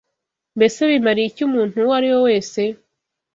Mbese bimariye iki umuntu uwo ari we wese